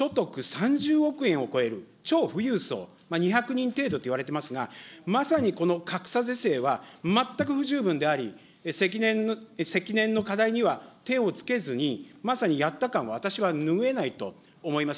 ３０億円を超える超富裕層、２００人程度といわれてますが、まさにこの格差是正は全く不十分であり、積年の課題には手をつけずに、まさにやった感は、私はぬぐえないと私は思います。